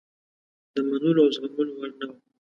د منلو او زغملو وړ نه وه.